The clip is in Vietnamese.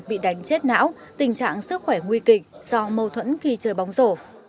bị đánh chết não tình trạng sức khỏe nguy kịch do mâu thuẫn khi chơi bóng rổ